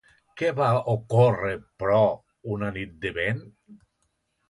Què va ocórrer, però, una nit de vent?